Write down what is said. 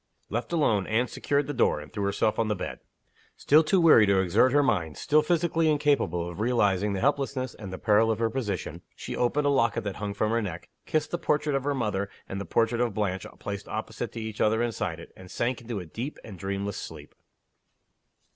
Left alone, Anne secured the door, and threw herself on the bed. Still too weary to exert her mind, still physically incapable of realizing the helplessness and the peril of her position, she opened a locket that hung from her neck, kissed the portrait of her mother and the portrait of Blanche placed opposite to each other inside it, and sank into a deep and dreamless sleep.